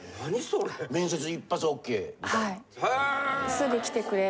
すぐ来てくれって。